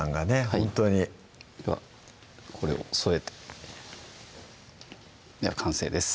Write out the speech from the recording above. ほんとにではこれを添えて完成です